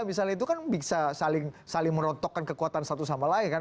misalnya itu kan bisa saling merontokkan kekuatan satu sama lain kan